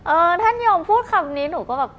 ท่านยอมพูดคำนี้หนูก็แบบ